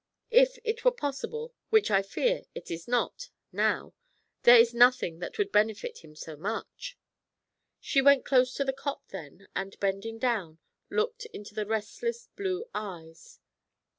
'If it were possible, which, I fear, it is not now there is nothing that would benefit him so much.' She went close to the cot then, and, bending down, looked into the restless blue eyes.